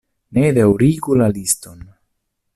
Ne daŭrigu la liston!